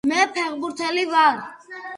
მე ფეხბურთელი ვარ